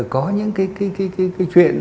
có những cái chuyện